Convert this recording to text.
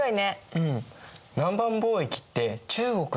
うん。